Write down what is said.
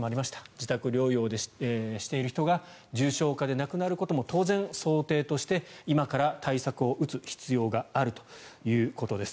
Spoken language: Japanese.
自宅療養している方が重症化で亡くなることも当然、想定として今から対策を打つ必要があるということです。